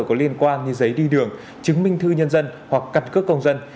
có liên quan như giấy đi đường chứng minh thư nhân dân hoặc căn cước công dân